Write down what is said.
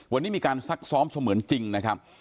วันนี้มีการซักซ้อมเสมือนจริงนะครับ